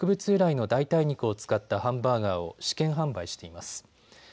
由来の代替肉を使ったハンバーガーを試験販売しています。